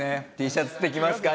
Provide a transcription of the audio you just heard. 「Ｔシャツって着ますか？」